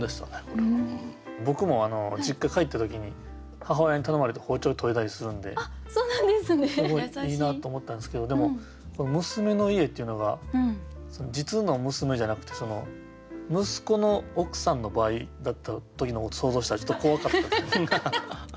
僕も実家帰った時に母親に頼まれて包丁研いだりするんですごいいいなと思ったんですけどでもこの「娘の家」っていうのが実の娘じゃなくて息子の奥さんの場合だった時のことを想像したらちょっと怖かったです。